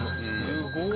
すごい！